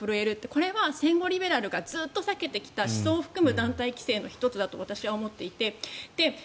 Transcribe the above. これは戦後、リベラルがずっと避けてきた思想を含む団体規制の１つだと私は思っていて。